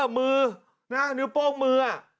เออมือนะนิ้วป้องมืออ่ะ